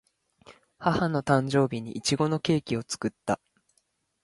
母の誕生日にいちごのケーキを作った